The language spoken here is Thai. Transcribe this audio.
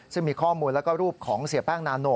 ซึ่งมีข้อมูลแล้วก็รูปของเสียแป้งนาโน